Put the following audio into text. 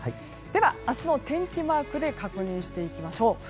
では、明日の天気マークで確認していきましょう。